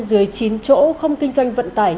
dưới chín chỗ không kinh doanh vận tải